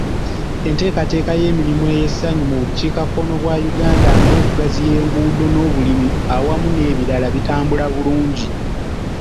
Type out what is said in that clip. Enteekateeka y'emirimu ey'essanyu mu bukiikakkono bwa Uganda nga okugaziya enguudo n'obulimi awamu n'ebirala, bitambula bulungi.